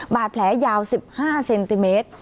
บาดแผลยาว๑๕เซนติเมตร